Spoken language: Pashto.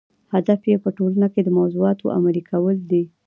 هدف یې په ټولنه کې د موضوعاتو عملي کول دي.